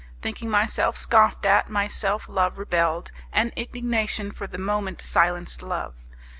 Thinking myself scoffed at, my self love rebelled, and indignation for the moment silenced love.